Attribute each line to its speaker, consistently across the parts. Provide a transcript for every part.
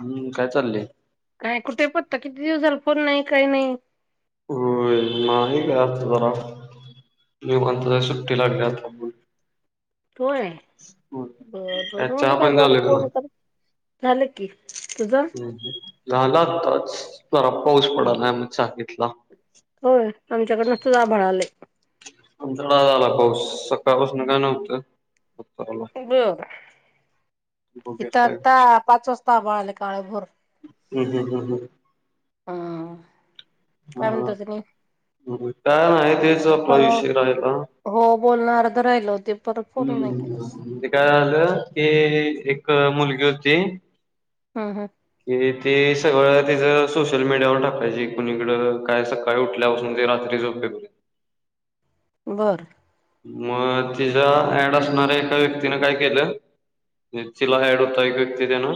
Speaker 1: हम्म काय चाललंय.
Speaker 2: काय कुठे पत्ता किती दिवस झाला फोन नाही काही नाही.
Speaker 1: होय, नाही काही आता जरा मी म्हंटलं, सुट्टी लागली आता
Speaker 2: होय,
Speaker 1: होय.
Speaker 2: बरं-बरं मी म्हणलं
Speaker 1: चहा
Speaker 2: काय
Speaker 1: पाणी
Speaker 2: झालं?
Speaker 1: का
Speaker 2: फोन
Speaker 1: नाही
Speaker 2: कर. झालं की, तुझं?
Speaker 1: झालं आताच. जरा पाऊस पडायला म्हणून, चहा घेतला.
Speaker 2: होय, आमच्याकडं नुसतंच आभळ आलंय.
Speaker 1: आमच्याकडं आज आला पाऊस, सकाळपासून काय नव्हतं, आता आला.
Speaker 2: हम्.
Speaker 1: बघूया
Speaker 2: इथं
Speaker 1: काय
Speaker 2: आता,
Speaker 1: होतंय.
Speaker 2: पाच वाजता आभाळ आलंय काळेभोर.
Speaker 1: हम्.. हम. हम्.. हम्.
Speaker 2: हां.
Speaker 1: हं. काय नाही. तेच आपला
Speaker 2: परवा
Speaker 1: विषय राहीला
Speaker 2: हो, बोलणं अर्ध राहिलं होतं.
Speaker 1: हम्म् म्हणजे काय झालं की, एक मुलगी होती
Speaker 2: हा.. हा.
Speaker 1: कि तेी सगळं तिच सोशल मीडियावर टाकायची कुणीकडं काय? काही उठल्यापासून ज रात्री जो
Speaker 2: बरं.
Speaker 1: मग तिचा ऍड असणाऱ्या एका व्यक्तीने काय केलं. म्हणजे तिला ऍड होता, एक व्यक्ती देणार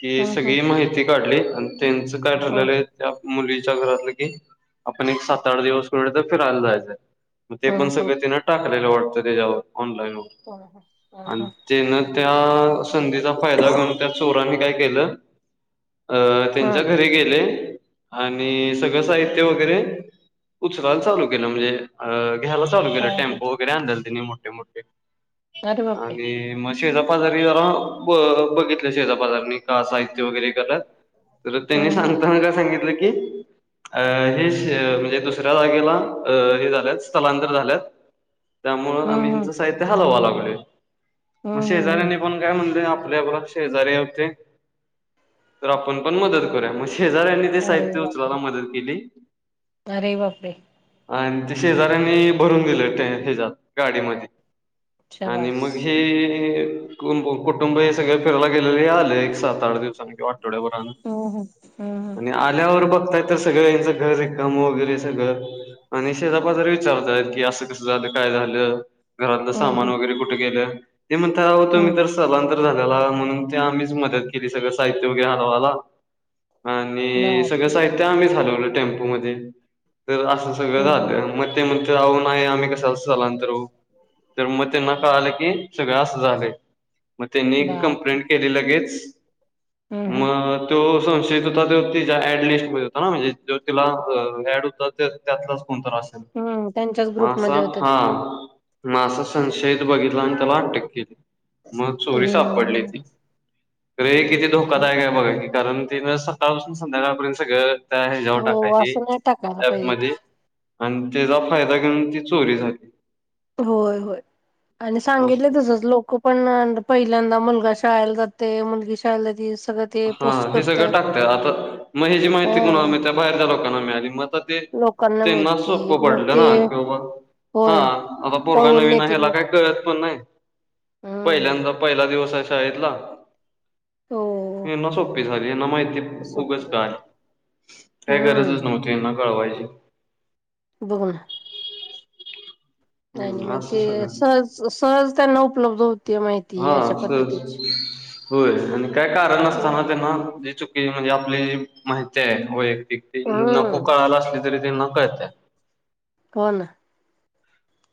Speaker 1: की
Speaker 2: हम्म हम्म
Speaker 1: सगळी माहिती काढली आणि त्यांचं काय ठरलेलं आहे मुलीच्या घरातलं की, आपण एक सात-आठ दिवस कुणीकडे तरी फिरायला जायचंय. मग ते पण
Speaker 2: हम्म हम्म
Speaker 1: सगळे तिने टाकलेला वाटतं त्याच्यावर, ऑनलाईनवर.
Speaker 2: ह.. ह.. ह.. हा.
Speaker 1: तेन त्या संधीचा फायदा घेऊन, त्या चोरांनी काय केलं अ.. त्यांच्या
Speaker 2: हम्म हम्म
Speaker 1: घरी गेले. आणि सगळं साहित्य वगैरे, उचलायला चालू केलं. म्हणजे अ घ्यायला चालू केलं,
Speaker 2: हम्म हम्म
Speaker 1: टेम्पो वगैरे आणलेले त्यांनी मोठे-मोठे
Speaker 2: अरे बापरे
Speaker 1: आणि म शेजापाजारी जरा ब-बघितले शेजापाजार्यांनी का साहित्य वगैरे करतात, तर त्यांनी
Speaker 2: हम्म
Speaker 1: सांगताना काय सांगितलं की, अं.. हेच म्हणजे दुसऱ्या जागेला, अं.. हे झाल्यात स्थलांतर झाल्यात त्यामुळे आम्ही
Speaker 2: हम्म हम्म
Speaker 1: त्यांचं साहित्य हालवायला लागलोय, मग
Speaker 2: हम्म हम्म
Speaker 1: शेजाऱ्यांनी
Speaker 2: हम्म
Speaker 1: आपण काय म्हणलं, आपल्या आपला शेजारी होते. तर आपण पण मदत करूया. मग शेजाऱ्यांनी ते
Speaker 2: अरे
Speaker 1: साहित्य उचलायला
Speaker 2: बापरे
Speaker 1: मदत केली.
Speaker 2: अरे बापरे!
Speaker 1: आणि ते शेजाऱ्यांनी भरून दिलं, त्या ह्याच्यात गाडीमध्ये आणि मग
Speaker 2: शाबास
Speaker 1: हे कुटुंब, कुटुंब हे सगळे फिरायला गेलेले आले एक सात-आठ दिवसांनी किंवा आठवड्याभरानं..
Speaker 2: हम्म हम्म
Speaker 1: आणि आल्यावर बघतात, तर सगळं यांचं घर रिकामं वगैरे सगळं आणि शेजापाजारी विचारतात की, असं कसं झालं, काय झालं घरातलं
Speaker 2: हम्म हम्म
Speaker 1: सामान
Speaker 2: हम्म
Speaker 1: वगैरे कुठं गेलं. ते म्हणतात आवो तुम्ही
Speaker 2: हम्म
Speaker 1: तर स्थलांतर झालेला, म्हणून ते आम्हीच मदत केली सगळं साहित्य वगैरे हलावायला. आणि सगळं
Speaker 2: बापरे!
Speaker 1: साहित्यं आम्हीच हलवलं टेम्पोमध्ये तर असं सगळं
Speaker 2: हम्म
Speaker 1: झालं. मग ते म्हणतात आवो नाही आम्ही कशाला स्थलांतर होवू तर मग त्यांना कळालं कि, सगळं असं झालंय मग त्यांनी
Speaker 2: बापरे!
Speaker 1: कंप्लेंट केली लगेच
Speaker 2: हम्म
Speaker 1: मग तो संशयित होता तो, तिच्या ऍड लिस्टमध्ये होता ना म्हणजे जो तिला ऍड होता तो त्यातलाच कोण तर अस
Speaker 2: हम्म त्यांच्याच ग्रुपमध्ये होत ते
Speaker 1: मा असं संशयित बघितला आणि त्याला अटक केली मग चोरी
Speaker 2: हम्म
Speaker 1: सापडली ती रे किती
Speaker 2: हम्म
Speaker 1: धोकादायक आहे बघा कारण तिन सकाळ पाासून संध्याकाळपर्यंत सगळं त्या ह्याच्यावर
Speaker 2: हो
Speaker 1: टाकायची
Speaker 2: असं नाही टाकायला
Speaker 1: ऍप
Speaker 2: पाहिजे
Speaker 1: मध्ये
Speaker 2: ते
Speaker 1: आणि त्याचा फायदा घेऊन ती चोरी झाली
Speaker 2: होय होय आणि सांगितले
Speaker 1: असं.
Speaker 2: तुसच लोक पण पहिल्यांदा मुलगा शाला जाते मुलगी शायलााती सगळं ते
Speaker 1: हा
Speaker 2: पोस्ट
Speaker 1: हे सगळं
Speaker 2: करतात
Speaker 1: टाकत आता मग ह जी माहिती
Speaker 2: हा
Speaker 1: कोुणाम त्या बाहेरच्या लोकांना मिळाली मग ते
Speaker 2: लोकांना
Speaker 1: तेना
Speaker 2: माहिती
Speaker 1: सुप
Speaker 2: मग
Speaker 1: पडले
Speaker 2: ते
Speaker 1: ना किो वा हा
Speaker 2: होय
Speaker 1: आता पोरगा
Speaker 2: पळवून
Speaker 1: नवीन
Speaker 2: नेते
Speaker 1: ह्याला
Speaker 2: मग
Speaker 1: काही कळत पण नाही
Speaker 2: हम्म
Speaker 1: पहिल्यांदा पहिला दिवस आहे शाळेतला
Speaker 2: हो
Speaker 1: ना सोपी झाली ना माहिती उगच
Speaker 2: सुपर
Speaker 1: काय काय गरजच
Speaker 2: हम्म
Speaker 1: नव्हती ना कळवायची
Speaker 2: बोण आणि
Speaker 1: हम्म
Speaker 2: मग
Speaker 1: असं
Speaker 2: ते
Speaker 1: सगळं
Speaker 2: सहज सहज त्यांना उपलब्ध होते माहिती अशा
Speaker 1: हा
Speaker 2: पद्धतीची
Speaker 1: सहज होय आणि काय कारण असताना त्यांना ज च की, म्हणजे आपली माहिती आहे वैयक्तिक ती,
Speaker 2: हम्म
Speaker 1: नको कळायला असली तरी ते त्यांना कळते.
Speaker 2: कोण?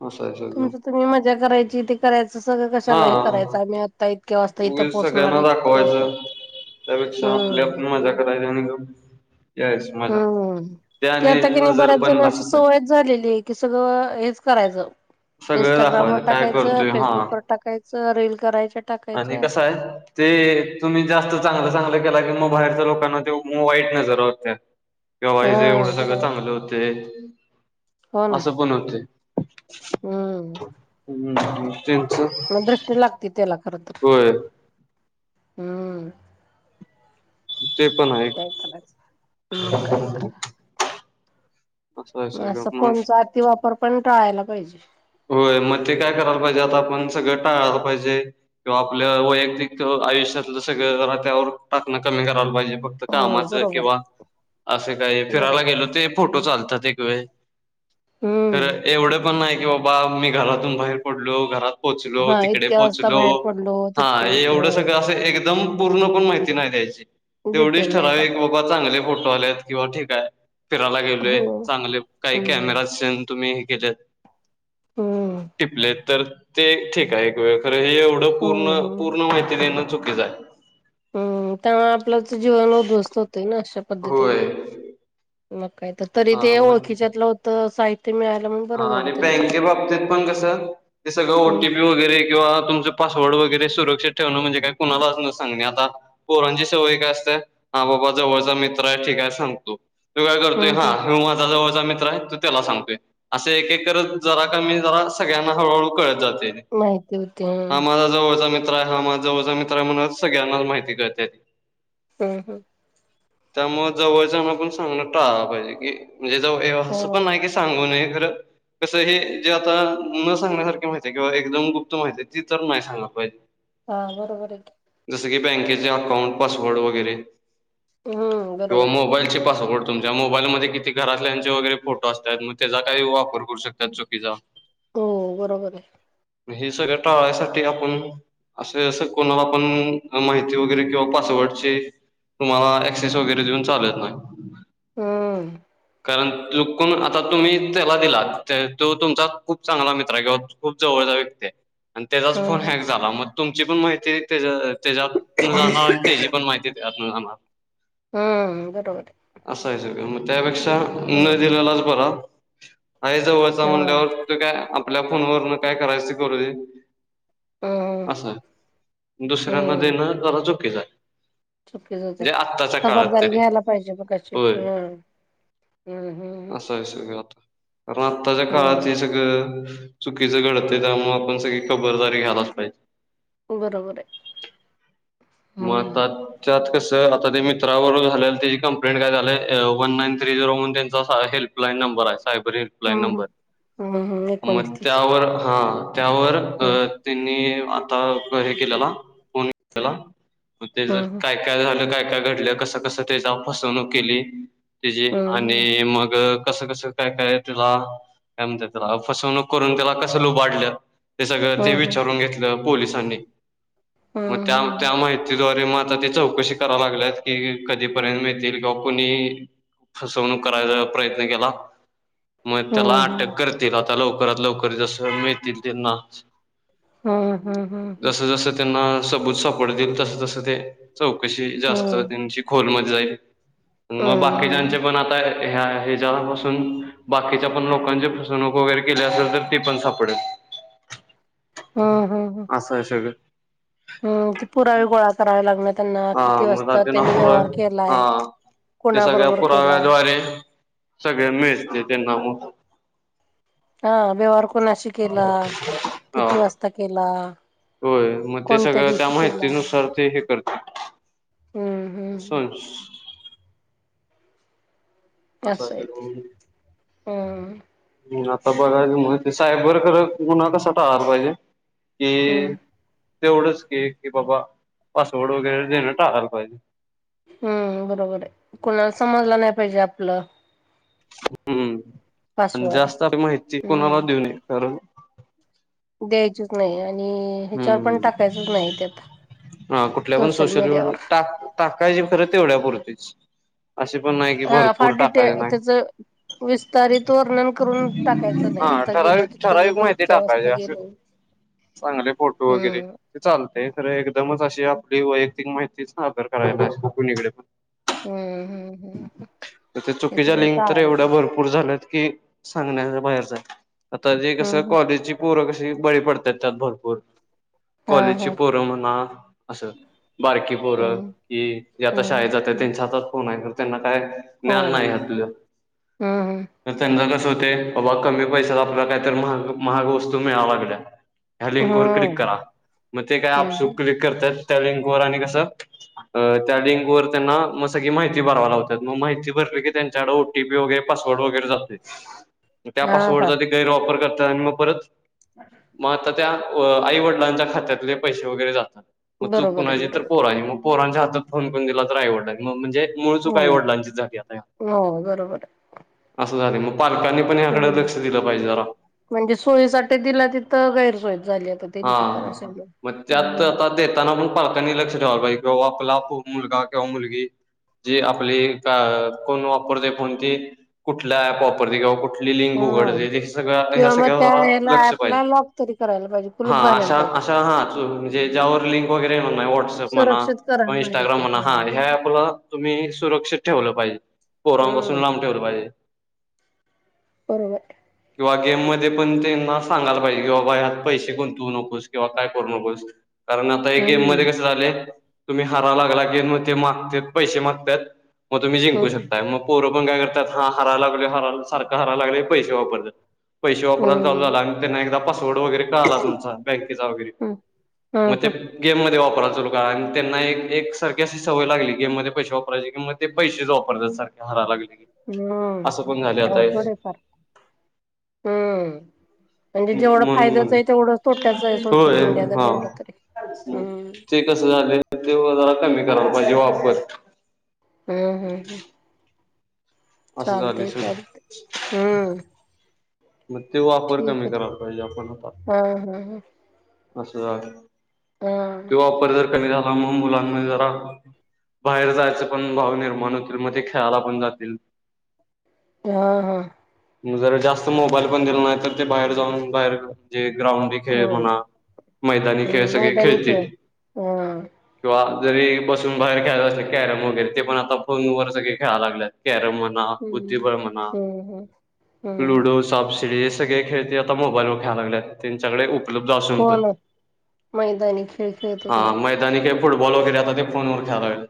Speaker 1: असं आहे, सगळं.
Speaker 2: तुमचं तुम्ही मजा करायची ते करायचं, सगळं
Speaker 1: हा
Speaker 2: कशाला हे करायचं. आम्ही आत्ता इतक्या वाजता इथं
Speaker 1: उगीच
Speaker 2: पोचणार
Speaker 1: सगळ्यांना
Speaker 2: आहे, तितक्या वाजता
Speaker 1: दाखवायचं
Speaker 2: तिथं
Speaker 1: त्यापेक्षा आपल्या आपण मजा करायची, नि गप यायच मजा
Speaker 2: हम्.. की
Speaker 1: त्याने
Speaker 2: आता किनी न
Speaker 1: नजर
Speaker 2: बऱ्याच
Speaker 1: पण
Speaker 2: जण अ
Speaker 1: लागते
Speaker 2: सवय झालेली आहे की सगळं हेच करायचं
Speaker 1: सगळं
Speaker 2: इं्स्टाग्रामवरर
Speaker 1: दाखवायचं काय
Speaker 2: टाकायचं
Speaker 1: करतोय हा
Speaker 2: फेसबुक वर टाकायचं रील करायच्या टाकायच्या
Speaker 1: काय ते तुम्ही जास्त चांगलं चांगलं केला की मग बाहेरच्या लोकांना ते वाईट नजर आहत्या
Speaker 2: हा
Speaker 1: कवाईचं एवढं सगळं
Speaker 2: बरोबर
Speaker 1: चांगलं होते
Speaker 2: हो ना
Speaker 1: असं पण होते
Speaker 2: हम्म
Speaker 1: हम्म तच
Speaker 2: म दृष्टी लागती त्याला खर तर हम्म
Speaker 1: ते पण आहे
Speaker 2: काय
Speaker 1: असं आहे
Speaker 2: मग
Speaker 1: सगळं
Speaker 2: असं फोनचा अति वापर पण टाळायला पाहिजे
Speaker 1: होय मग ते काय करायला पाहिजे आता आपण सगळं टाळायला पाहिजे किंवा आपल्या वैयक्तिक आयुष्यातलं सगळं त्यावर टाकणं कमी करायला पाहिजे
Speaker 2: हो
Speaker 1: कामाच
Speaker 2: बरोबर
Speaker 1: किंवा असं काही
Speaker 2: आहे
Speaker 1: फिरायला
Speaker 2: बरोबर आहे.
Speaker 1: गेलो ते फोटो चालतात एक वेळ
Speaker 2: हम्म
Speaker 1: खरं एवढं पण नाही की बाबा मी घरातून बाहेर पडलो घरात पोहोचलो
Speaker 2: हा
Speaker 1: तिकडे
Speaker 2: इतक्या वाजता
Speaker 1: पोहोचलो
Speaker 2: बाहेर पडलो
Speaker 1: हा
Speaker 2: तितक्या
Speaker 1: एवढं सगळं
Speaker 2: हो
Speaker 1: असं एकदम मा नाही द्या तेवच
Speaker 2: डिटेल नाही टाकायच
Speaker 1: चांगले फोटो आलेत किंवा ठीकय फिरायला गेलो
Speaker 2: हो
Speaker 1: चांगले काही
Speaker 2: हम्म
Speaker 1: कॅमेरा तुम्ही हे केले
Speaker 2: हम्म
Speaker 1: टिपले तर ते ठीक आहे एक वेळ खरं हे एवढं
Speaker 2: हम्म
Speaker 1: पूर्ण
Speaker 2: हम्म
Speaker 1: पूर्ण माहिती देणं चुकीचं आहे
Speaker 2: हम्म त्यामुळे आपल्याच जीवन उद्ध्वस्त होतय ना अश्या पद्धतीने
Speaker 1: होय.
Speaker 2: मग काहीत तरी
Speaker 1: हा
Speaker 2: ते
Speaker 1: मग
Speaker 2: ओळखीच्यातलं होतं साहित्य मिळायलं म्हण
Speaker 1: हा आणि बँके बाबतीत पण कसं ते सगळं
Speaker 2: हम्म
Speaker 1: ओटीपी वगैर गैरे किंवा तुमचं पासवर्ड वगैरे सुरक्षित ठेवण म्हणजे काय कोणालाच न सांगणे आता पोरांची सवयी काय असते हा बाबा जवळचा मित्र आहे ठीिकय सांगतो तो काय करतोय
Speaker 2: हम्म
Speaker 1: हा
Speaker 2: हम्म
Speaker 1: ह माझा जवळचा मित्र आहे तो त्याला सांगतोय असे एक एक करत जरा कमी जरा सगळ्यांना हळूहळू कळत जाते
Speaker 2: माहिती होती
Speaker 1: हा
Speaker 2: हम्म
Speaker 1: माझा जवळचा मित्र आहे हा माझा जवळचा मित्र आहे म्हणून सगळ्यांनाच माहिती करळतेी
Speaker 2: हम् हम्
Speaker 1: त्यामुळे जवळचना पण सांगण टाळला पाहिजे की म्हणजे ज असं पण
Speaker 2: हो
Speaker 1: नाही की सांगूून खरं कसं हे जे आता न सांगण्यासारखे माहिे किंवा एकदम गुप्त माहििते ती तर नाही सांगलं पाहिजे [unintelligible]
Speaker 2: हा बरोबर आहे
Speaker 1: जसं की बँकेचे अकाउंट पासवर्ड वगैरे
Speaker 2: हम्म
Speaker 1: किंवा
Speaker 2: बरोबर आहे
Speaker 1: मोबाईलचे पासवर्ड तुमच्या मोबाईलमध्ये किती घरातल्यांचे वगैरे फोटो असतात मग त्या काही वापर करू शकतात चुकीचा
Speaker 2: हो बरोबर आहे
Speaker 1: हे सगळं टाळा यासाठी आपण असे असं कोणाला पण माहिती वगैरे किंवा पासवर्डची तुम्हाला एक्साइस वगैरे देऊन चालत नाही
Speaker 2: हम
Speaker 1: कारण चुकून आता तुम्ही त्याला दिला तो तुमचा खूप चांगला मित्र आहे किंवा खूप जवळचा व्यक्ती आणि त्याचाच फोन
Speaker 2: हम्म
Speaker 1: हॅक झाला मग तुमची पण माहिती त्याच्यात जाणार आणि त्याची पण माहिती आ
Speaker 2: हम्म बट होते
Speaker 1: असायचं का मग त्यापेक्षा न
Speaker 2: हम्म
Speaker 1: दिलेलाच बरा आहेजव
Speaker 2: हम्म
Speaker 1: म्हणल्यावर काय आपल्या फोनवरून काय करायच करू दे
Speaker 2: हम्म
Speaker 1: असा दुसऱ्यांना
Speaker 2: हम्म
Speaker 1: देणं जला चोक्यच आहे
Speaker 2: चुकीच हो
Speaker 1: म्हणजे आत्ताच्या काळात
Speaker 2: खबरदारी
Speaker 1: तरी
Speaker 2: घ्यायला पाहिजे म कशी
Speaker 1: होय
Speaker 2: ह हम्म हम्म
Speaker 1: असं आहे स आता कारण आत्ताच्या काळात हे
Speaker 2: हम्म
Speaker 1: सगळं चुकीचं घडतं त्यामुळे आपण सगळी खबरदारी घ्यायलाच पाहिजे
Speaker 2: बरोबर आहे हम्म
Speaker 1: मातात त्यात कसं आता ते मित्रावर झालेलं त्याची कमं्प्लेट काय झालंय वन नाईन थ्री झिरो म्हणून त्यांचा हेल्प ल्पलाईन नंबर आहे सायबर हेल्पलाईन
Speaker 2: हम्म
Speaker 1: नंबर
Speaker 2: हम्म हम्म एकोणीस
Speaker 1: मग
Speaker 2: तीस
Speaker 1: त्यावर हा त्यावर
Speaker 2: हम्म
Speaker 1: त्यांनी आता हे केलेला फोन केलेला मग तेच
Speaker 2: हम्म
Speaker 1: काय काय झालं काय काय घडलं कसं कसं त्याचा फसवणूक केली तजे आणि
Speaker 2: हम्म
Speaker 1: मग कसं कसं काय काय तुला काय म्हणत तुला फसवणूक करून त्याला कसं लुबाडलं ते सगळं ते
Speaker 2: हम्म हम्म
Speaker 1: विचारून घेतलं पोलिसांनी मग त्या त्या
Speaker 2: हम्म
Speaker 1: माहि द्वारे माझ ते चौकशी कराव लागल्यात की कधीपर्यंत मिळतील किंवा कुणी फसवणूक करायचा प्रयत्न केला मग त्याला
Speaker 2: हम्म
Speaker 1: अटक करतील आता लवकरात लवकर जस मिळतील त्यांना
Speaker 2: हम् हम् हम् हम्
Speaker 1: स त चौत खोलमत जाईल मग बाकीच्याचे पण आता ह्या ह्याच्यापासून बाकीच्या पण लोकांची फसवणूक वगैरे केल्या असेल तर ती पण सापडेल
Speaker 2: हम्म
Speaker 1: असं आहे सगळं
Speaker 2: हम ते पुरावे गोळा करावे लागणार त्यांना
Speaker 1: हा
Speaker 2: किती
Speaker 1: मग
Speaker 2: वाजता
Speaker 1: त्यांना
Speaker 2: त्यांनी
Speaker 1: पुरा
Speaker 2: व्यवहार केलाय
Speaker 1: हा
Speaker 2: कोणाबरोबर केलाय
Speaker 1: सगळे्या मिेळते त्यांना
Speaker 2: हा व्यवहार कोून अशी केला
Speaker 1: हा
Speaker 2: किती वाजता केला
Speaker 1: होय मग ते
Speaker 2: कोणत्या
Speaker 1: सगळं त्या
Speaker 2: दिवशी केला
Speaker 1: माहितीनुसार ते हे करते
Speaker 2: हम्म हम्म
Speaker 1: सोल्यूस असं आहे
Speaker 2: हम्म
Speaker 1: ह आता बघायच माहिती सायबरकर गुन्हा कसा टाळला पाहिजे
Speaker 2: हम्म
Speaker 1: कि तेवढच की कि बाबा पासवर्ड वगैरे देणं टाळायला पाहिजे
Speaker 2: हम् बरोबर आहे कोणाला समजलं नाही पाहिजे आपलं
Speaker 1: हम्म आणि
Speaker 2: पासवर्ड
Speaker 1: जास्त आ माहिती कोणाला
Speaker 2: हम्म
Speaker 1: देऊ नये कारण
Speaker 2: द्यायचीच नाही आणि ह्याच्यावर पण
Speaker 1: हम्म
Speaker 2: टाकायचंच नाही ते आता
Speaker 1: ह कुठल्या पण सोशल टाक टाकायचे खरं तेवढ्या पुरतेच असे पण नाही कि
Speaker 2: हा
Speaker 1: भरपूर
Speaker 2: फार डिटे
Speaker 1: टाकायचे नाही
Speaker 2: त्याच विस्तारित वर्णन करून टाकायचं नाही
Speaker 1: हा
Speaker 2: इथं गेलो
Speaker 1: ठराविक
Speaker 2: तिथं
Speaker 1: ठराविक
Speaker 2: गेलो
Speaker 1: माहिती
Speaker 2: इतक्या
Speaker 1: टाकायचे
Speaker 2: वाजता
Speaker 1: असं
Speaker 2: गेलो
Speaker 1: चांगले फोटो वगैरे
Speaker 2: हम्म
Speaker 1: ते चालते खरं र एकदमच अशी आपली वैयक्तिक माहितीच ना आदर करायला पाहिजे कुनिकडे पण
Speaker 2: हम्म हम्म हम्म
Speaker 1: तर ते
Speaker 2: तेच
Speaker 1: चुकीच्या
Speaker 2: तर
Speaker 1: लिंक
Speaker 2: कळायला
Speaker 1: एवढ्या
Speaker 2: पाहिजे
Speaker 1: भरपूर झाल्यात कि सांगणार्या बायाच झाल्या आता ते
Speaker 2: हम्म
Speaker 1: कसं
Speaker 2: हम्म
Speaker 1: कॉलेजची पोरं कशी बळी पडतात त्यात भरपूर
Speaker 2: हा
Speaker 1: कॉलेजची
Speaker 2: हा
Speaker 1: पोरं म्हणा असं. बारकी पोर
Speaker 2: हम्म
Speaker 1: कि जे आता
Speaker 2: हम्म
Speaker 1: शाळेत जातात
Speaker 2: हम्म.
Speaker 1: त्यांच्या हातात फोन आहे. त्यांना काय
Speaker 2: हो
Speaker 1: ज्ञान नाही आपलं.
Speaker 2: हम्म
Speaker 1: तर त्यांच कसं होते बाबा कमी पैशात आपला काहीत महाग महाग वस्तू मिळाव लागल्या. ह्या लिंक वर क्लिक
Speaker 2: हम्म
Speaker 1: करा मग ते काय आपस
Speaker 2: हम्म
Speaker 1: क्लिक करतय त्या लिंकवर आणि कसं? अ त्या लिंक वर त्यांना म स की माहिती भरवाय ला होतात मग माहिती भरली की त्यांच्याकड ीी वगैरे पासवर्ड वगैरे जात तर त्या
Speaker 2: हा हा
Speaker 1: पासवर्डचा ते गैरवापर करत आणि मग परत
Speaker 2: [unintelligible]
Speaker 1: मग आता त्या अ आई वडिलांच्या खात्यातले पैसे वगैरे जातात मग चूक
Speaker 2: बरोबर आहे
Speaker 1: कुणाची तर
Speaker 2: बरोबर आहे.
Speaker 1: पोरांची मग पोरांच्या हातात फोन पण दिला तर आईवडिलांनी म्हणजे मूळ चुक
Speaker 2: हो
Speaker 1: आईवडिलांची झाली आता या.
Speaker 2: हो बरोबर आहे
Speaker 1: असं झाले मग पालकांनी पण ह्याकडे
Speaker 2: हम्म
Speaker 1: लक्ष दिलं पाहिजे जरा
Speaker 2: म्हणजे सोयीसाठी दिला तिथं गैरसोयच झाली आता
Speaker 1: हा
Speaker 2: त्यांची तर असं आहे
Speaker 1: त्यात
Speaker 2: मग
Speaker 1: आता देताना पण पालकांनी लक्ष ठेवायला पाहिजे कि बाबा आपला मुलगा किंवा मुलगी जी आपली कोण वापरते फोन ती कुठल्या ऍप वापरते किंवा कुठं? कुठली लिंक
Speaker 2: हा
Speaker 1: उघडते सगळ्या ह्या
Speaker 2: किंवा मग
Speaker 1: सगळ्या
Speaker 2: त्या
Speaker 1: जरा
Speaker 2: ह्याला
Speaker 1: लक्ष पाहिजे.
Speaker 2: ऍपला लॉक तरी करायला पाहिजे.
Speaker 1: हा
Speaker 2: कुलूप घालायला
Speaker 1: अशा
Speaker 2: पाहिजे
Speaker 1: अशा
Speaker 2: त्याच्या
Speaker 1: हा म्हणजे ज्यावर लिंक वगैरे येत नाही व्हॉट्सअप म्हणा.
Speaker 2: सुरक्षित
Speaker 1: किंवा
Speaker 2: करायला पाहिजे
Speaker 1: इंस्टाग्राम
Speaker 2: ते
Speaker 1: म्हणा हा ह्या ऍपला तुम्ही सुरक्षित ठेवलं पाहिजे. पोरांपासून
Speaker 2: हम्म
Speaker 1: लांब ठेवलं पाहिजे.
Speaker 2: बरोबर.
Speaker 1: किंवा गेममध्ये पण त्यांना सांगायला पाहिजे कि बाबा यात पैसे पण देऊ नकोस किंवा काय करू नकोस कारण आता हे गेम मध्ये
Speaker 2: हम्म
Speaker 1: कसं झालंय. तुम्ही हारायला लागला की मग ते मागतेत पैसे मागतात मग तुम्ही जिंकू
Speaker 2: हम्म
Speaker 1: शकताय मग पोरं पण काय करतात हा हराय लागलोय हराय सारखं हरायला लागले पैसे वापतात. पैसे वापरायल चालू
Speaker 2: हम्म
Speaker 1: झालं आणि त्यांना एकदा पासवर्ड वगैरे आला तुमचा बँकेचा वगैरे
Speaker 2: हम्म
Speaker 1: मग ते
Speaker 2: हम्म
Speaker 1: गेम मध्ये वापराय चालु का आणि त्यांना एक सारखी अशी सवय लागली गेम मध्ये पैसे वापरायची कि म ते पैसेच वापरतात सारखे हारय लागले कि
Speaker 2: हम अवघड आहे फार हम्म म्हणजे जेवढा
Speaker 1: म्हणून
Speaker 2: फायदाच
Speaker 1: म्हण
Speaker 2: आहे. तेवढं तोट्याचं आहे सोशल
Speaker 1: होय
Speaker 2: मीडिया जर
Speaker 1: हा
Speaker 2: म्हटलं तरी
Speaker 1: मग
Speaker 2: हम्.
Speaker 1: ते कसं झालंय ते जरा कमी करायला पाहिजे वापर
Speaker 2: हम्म हम् हम.
Speaker 1: असं झाले
Speaker 2: चालते
Speaker 1: सगळ
Speaker 2: चालते हम्म.
Speaker 1: मग ते वापर
Speaker 2: ठीक
Speaker 1: कमी
Speaker 2: आहे
Speaker 1: करायला पाहिजे आपण आता
Speaker 2: हा हा हा.
Speaker 1: अस झाल त्यो
Speaker 2: हा
Speaker 1: वापर जर कमी झाला म मुलांमध्ये जरा बाहेर जायच पण भाव निर्माण होतील म ते खेळायला पण जातील.
Speaker 2: हा हा.
Speaker 1: जरा जास्त मोबाईल पण दिला नाही तर ते बाहेर जाऊन बाहेर हे ग्राउंड खेळ
Speaker 2: होय
Speaker 1: म्हणा मैदानी खेळ
Speaker 2: हम्म
Speaker 1: सगळे
Speaker 2: मैदानी खेळ
Speaker 1: खेळतील.
Speaker 2: हा
Speaker 1: किंवा जरी बसून बाहेर ख्यायच असल कॅरम वगैरे ते पण आता फोन वर सगळे ख्याय लागत कॅरम म्हण.
Speaker 2: हम्म
Speaker 1: बुद्धिभ्रमणा
Speaker 2: हम्म हम्म हम्म
Speaker 1: लुडो सापसिडी हे सगळे खेळ ते आता मोबाईल वर खेळायला लागलेत. त्यांच्याकडे उपलब्ध असून
Speaker 2: हो
Speaker 1: पण
Speaker 2: ना मैदानी खेळ खेळतच
Speaker 1: हा.
Speaker 2: नाहीत
Speaker 1: आणि काही फुटबॉल वैर आता ते फोनवर खेळायला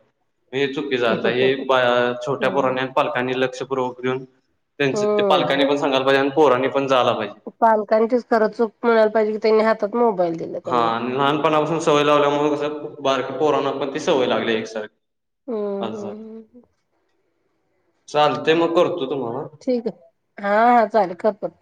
Speaker 1: हे चुकी जात हे छोट्या
Speaker 2: हम्म
Speaker 1: पुराण्या पालकांनी लक्ष पुूर्वक घेऊन त्यांचे
Speaker 2: हम्म
Speaker 1: सांगाला पाहिज आणि पोरणी पण जायला पाजे.
Speaker 2: पालकांचीच खरं चूक म्हणायला पाहिजे की त्यांनी हातात मोबाईल दिला
Speaker 1: हा
Speaker 2: त्यांना
Speaker 1: आणि लहानपणापासून सवय लावल्यामुळे कस बारक्या पोराना पण ती सवय लागली एकसारखी
Speaker 2: हम्म हम्म
Speaker 1: [unintelligible] चालतेय मग करतो तुम्हाला
Speaker 2: ठीक आहे हा हा चालेल कर परत